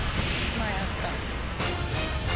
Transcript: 前あった。